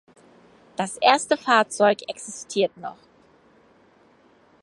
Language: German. Das erste Fahrzeug existiert noch.